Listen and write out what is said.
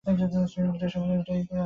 বিড়ালটা ধরলেন, এটা আসলে প্ল্যান করাই ছিল।